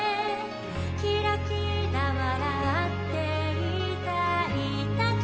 「キラキラ笑っていたいだけ」